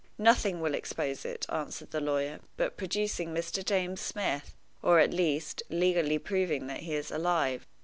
"Nothing will expose it," answered the lawyer, "but producing Mr. James Smith, or, at least, legally proving that he is alive.